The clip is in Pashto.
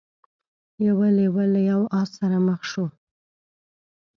یو لیوه له یو آس سره مخ شو.